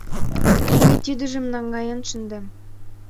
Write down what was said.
Мый тидыжым наҥгаен шындем.